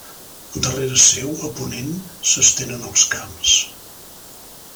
Darrere seu, a ponent, s'estenen els camps.